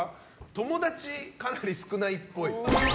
友達かなり少ないっぽい。